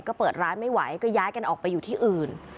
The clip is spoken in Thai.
ก็เปิดร้านไม่ไหวก็ย้ายกันออกไปอยู่ที่อื่น